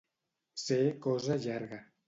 Ser cosa llarga.